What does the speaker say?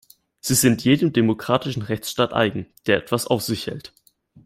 Sie sind jedem demokratischen Rechtsstaat eigen, der etwas auf sich hält.